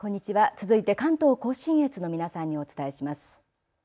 続いて関東甲信越の皆さんにお伝えします。